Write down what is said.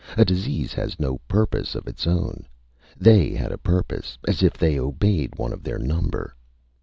A disease has no purpose of its own. They had a purpose as if they obeyed one of their number."